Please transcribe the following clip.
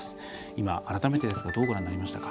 今、改めてですがどうご覧になりましたか？